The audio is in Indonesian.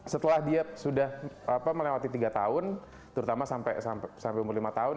setelah dia sudah melewati tiga tahun terutama sampai umur lima tahun